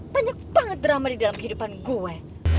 banyak banget drama di dalam kehidupan gue